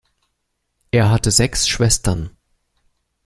Er hatte sechs Schwestern.